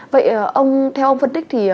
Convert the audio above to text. vậy theo ông phân tích thì